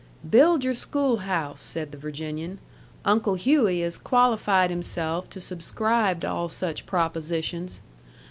"Build your schoolhouse," said the Virginian. "Uncle Hughey has qualified himself to subscribe to all such propositions.